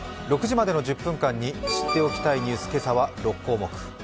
６時までの１０分間に、知っておきたいニュース、今朝は６項目。